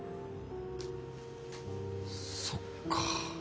そっか。